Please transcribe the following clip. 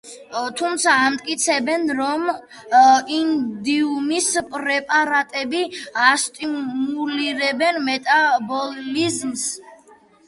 თუმცა ამტკიცებენ, რომ ინდიუმის პრეპარატები ასტიმულირებენ მეტაბოლიზმს.